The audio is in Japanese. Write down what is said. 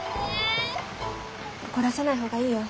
怒らせない方がいいよ。